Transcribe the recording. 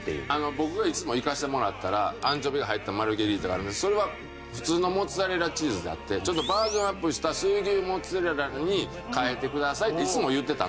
僕がいつも行かせてもらったらアンチョビが入ったマルゲリータがあるのでそれは普通のモッツァレラチーズであってちょっとバージョンアップした水牛モッツァレラに変えてくださいっていつも言ってたんです。